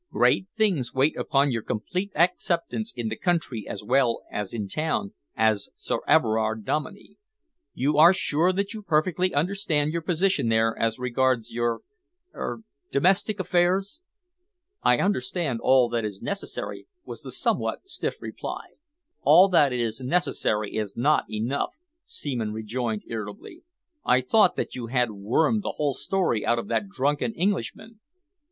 "Great things wait upon your complete acceptance, in the country as well as in town, as Sir Everard Dominey. You are sure that you perfectly understand your position there as regards your er domestic affairs?" "I understand all that is necessary," was the somewhat stiff reply. "All that is necessary is not enough," Seaman rejoined irritably. "I thought that you had wormed the whole story out of that drunken Englishman?"